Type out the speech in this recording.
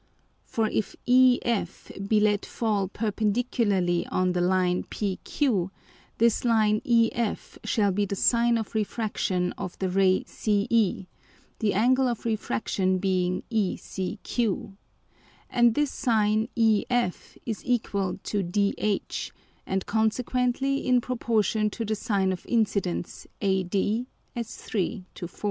For if EF be let fall perpendicularly on the Line PQ, this Line EF shall be the Sine of Refraction of the Ray CE, the Angle of Refraction being ECQ; and this Sine EF is equal to DH, and consequently in Proportion to the Sine of Incidence AD as 3 to 4.